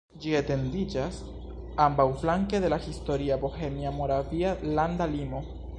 Ĝi etendiĝas ambaŭflanke de la historia bohemia-moravia landa limo.